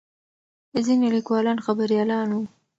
ځینې لیکوالان خبریالان وو.